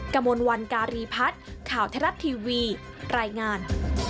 กระมวลวันการีพัฒน์ข่าวไทยรัฐทีวีรายงาน